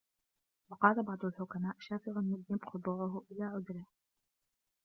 وَقَالَ بَعْضُ الْحُكَمَاءِ شَافِعُ الْمُذْنِبِ خُضُوعُهُ إلَى عُذْرِهِ